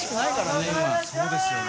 そうですよね。